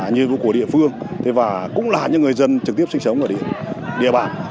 nhiệm vụ của địa phương và cũng là những người dân trực tiếp sinh sống ở địa bàn